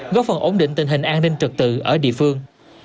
góp phần ổn định tình hình an ninh trật tự ở địa phương